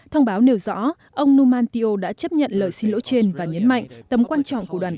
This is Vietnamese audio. thông báo nêu rõ ông numantio đã chấp nhận lời xin lỗi trên và nhấn mạnh tấm quan trọng của đoàn